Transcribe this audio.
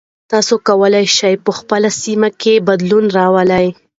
تاسو کولی شئ په خپله سیمه کې بدلون راولئ.